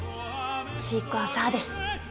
シークワーサーです。